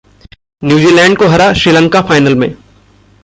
New Zealand को हरा Sri Lanka final में